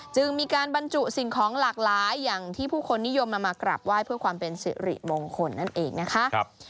จึงมีการบรรจุสิ่งของหลากหลายอย่างที่ผู้คนนิยมมามากราบไหว้เพื่อความเป็นสิริมงคลนั่นเองนะคะ